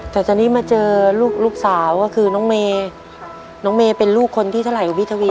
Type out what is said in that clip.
แต่ตอนนี้มาเจอลูกสาวก็คือน้องเมย์น้องเมย์เป็นลูกคนที่เท่าไหร่ของพี่ทวี